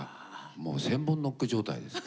もう千本ノック状態ですね。